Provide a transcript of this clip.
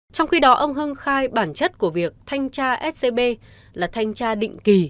trong khi đó ông hưng khai bản chất của việc thanh tra scb là thanh tra định kỳ